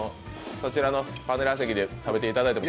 こちらのパネラー席で食べていただいても。